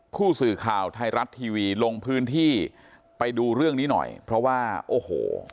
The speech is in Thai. ผู้สื่อข่าวไทยรัฐทีวีลงพื้นที่ไปดูเรื่องนี้หน่อยเพราะว่าโอ้โห